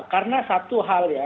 karena satu hal ya